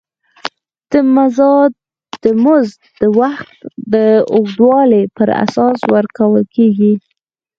دا مزد د وخت د اوږدوالي پر اساس ورکول کېږي